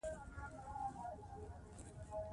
مېوې د افغانستان د بڼوالۍ برخه ده.